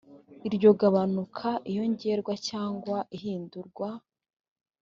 iryo gabanuka iyongerwa cyangwa ihindurwa